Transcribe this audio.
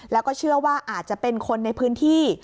แล้วก็เชื่อว่าอาจจะเป็นคนในพื้นที่